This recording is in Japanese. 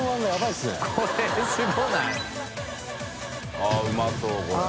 あっうまそうこれ。